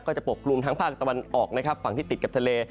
ก็จะปกกลุ่มทางฝ้าตะวันออกฝั่งที่ติดกับทะเล